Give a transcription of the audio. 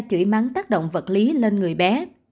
chửi mắng tác động vật lý lên người bé